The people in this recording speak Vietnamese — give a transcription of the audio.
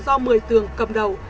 do một mươi tường cầm đầu